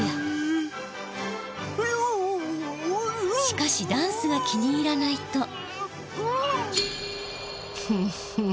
しかしダンスが気に入らないとフッフッフ。